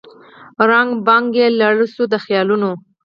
ړنګه بنګه یې لړۍ سوه د خیالونو